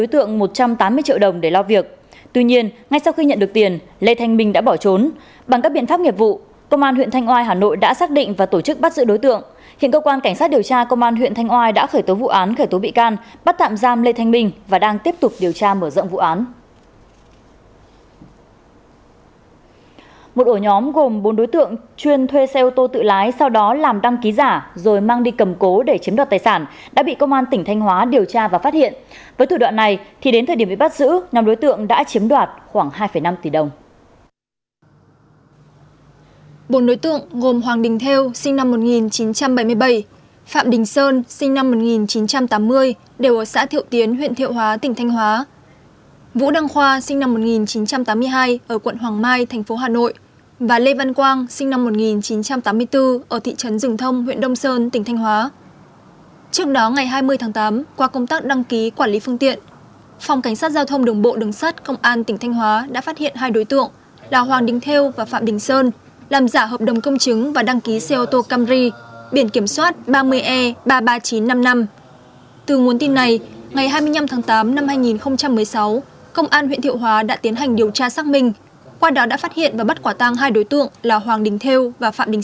từ nguồn tin này ngày hai mươi năm tháng tám năm hai nghìn một mươi sáu công an huyện thiệu hóa đã tiến hành điều tra xác minh qua đó đã phát hiện và bắt quả tang hai đối tượng là hoàng đình thêu và phạm đình sơn đang có hành vi dùng giấy tờ giả để cầm cố chiếc xe ô tô camry lấy bảy trăm năm mươi triệu đồng